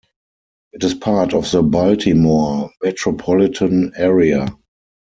It is part of the Baltimore metropolitan area.